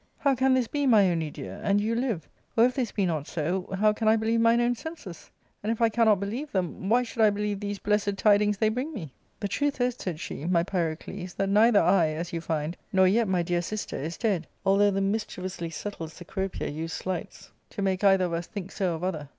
How can this be, my only dear, and you live ? Or, if this be not so, how can I believe mine own senses ? and, if I cannot believe them, why should I believe these blessed tidings they bring me ?'*" The truth is," said she, " my Pyrocles, that neither I, as you find, nor yet my dear sister, is dead, although the mis chievously subtle Cecropia used sleights* to make either of us think so of other.